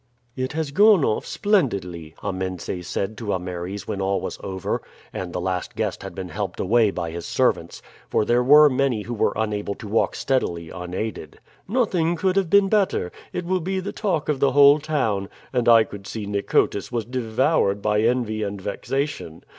"It has gone off splendidly," Amense said to Ameres when all was over, and the last guest had been helped away by his servants; for there were many who were unable to walk steadily unaided. "Nothing could have been better it will be the talk of the whole town; and I could see Nicotis was devoured by envy and vexation.